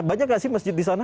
banyak nggak sih masjid di sana